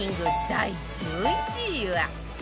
第１１位は